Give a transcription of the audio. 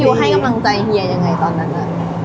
พี่ยูให้กำลังใจเฮียอะไรตอนนั้นอะ